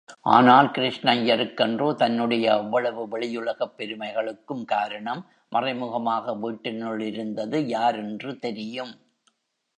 ஆனால் கிருஷ்ணய்யருக்கன்றோ, தன்னுடைய அவ்வளவு வெளியுலகப் பெருமைகளுக்கும் காரணம் மறைமுகமாக வீட்டினுள் இருந்தது, யார் என்று தெரியும்.